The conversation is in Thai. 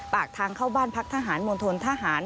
ปากทางเข้าบ้านพักทหารมณฑลทหาร